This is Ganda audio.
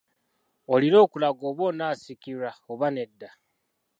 Olina okulaga oba onaasikirwa oba nedda.